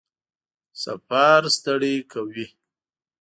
سفر ستړی کوي؟